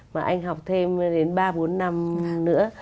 mà anh học thêm đến ba bốn năm nữa